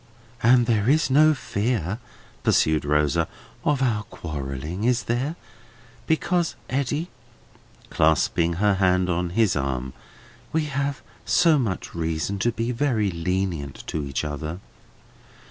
"And there is no fear," pursued Rosa, "of our quarrelling, is there? Because, Eddy," clasping her hand on his arm, "we have so much reason to be very lenient to each other!"